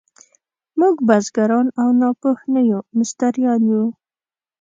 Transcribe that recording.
موږ بزګران او ناپوه نه یو، مستریان یو.